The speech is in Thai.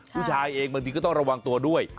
ผู้ชายเองบางทีก็ต้องระวังตัวด้วย